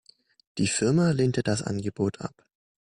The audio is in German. Die Firma lehnte das Angebot ab.